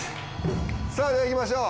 さあじゃあいきましょう。